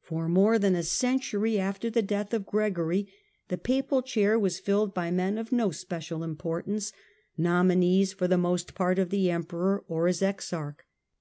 For more than a century after the death of Gre: the Papal chair was filled by men of no special import ance, nominees, for the most part, of the emperor or his exarch.